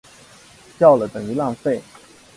叫了等于浪费